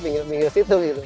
pinggir pinggir situ gitu